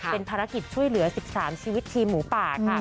เป็นภารกิจช่วยเหลือ๑๓ชีวิตทีมหมูป่าค่ะ